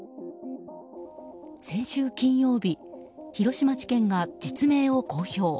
先週金曜日広島地検は実名を公表。